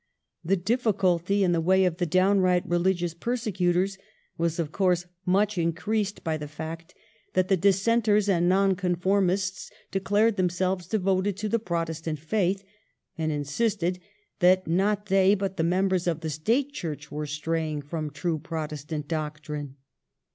The difficulty in the way of the downright religious persecutors was, of course, much increased by the fact that the Dissenters and Nonconformists declared themselves devoted to the Protestant faith, and insisted that not they but the members of the State Church were straying from true Protestant doctrine.